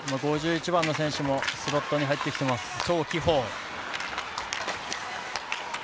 ５１番の選手もスロットに入ってきてます。